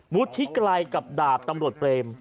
วุฒิที่ไกลกับดาบตำรวจเตรียม